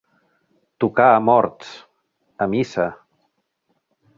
Tocar a morts, a missa.